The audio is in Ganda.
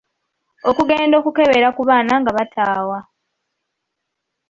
Okugenda okukebera ku baana nga bataawa.